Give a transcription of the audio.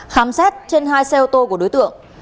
khám xét trên hai xe ô tô của đối tượng